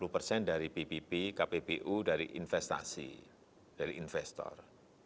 lima puluh persen dari pbb kppu dari investasi dari investor